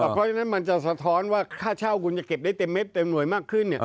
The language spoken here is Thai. เพราะฉะนั้นมันจะสะท้อนว่าค่าเช่าคุณจะเก็บได้เต็มเม็ดเต็มหน่วยมากขึ้น